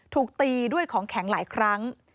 ถูกตีด้วยของแข็งหลายครั้ง